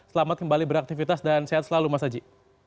selamat kembali beraktivitas dan sehat selalu mas aji